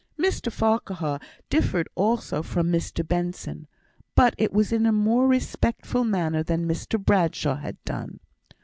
Mr Farquhar differed also from Mr Benson, but it was in a more respectful manner than Mr Bradshaw had done.